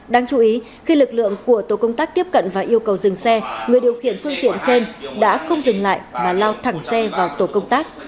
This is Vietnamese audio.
đáng chú ý khi lực lượng của tổ công tác tiếp cận và yêu cầu dừng xe người điều khiển phương tiện trên đã không dừng lại mà lao thẳng xe vào tổ công tác